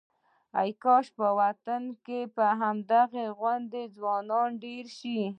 کاشکې په وطن کې د هغه غوندې ځوانان ډېر شي.